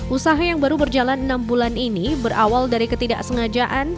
usaha yang baru berjalan enam bulan ini berawal dari ketidaksengajaan